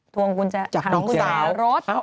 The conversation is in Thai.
ทวงกุญแจถามพี่สาวรถจากน้องสาว